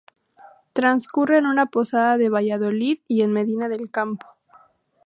Trascurre en una posada de Valladolid y en Medina del Campo.